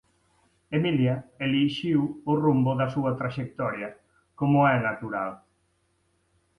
Emilia elixiu o rumbo da súa traxectoria, como é natural.